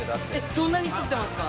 そんなにとってますか？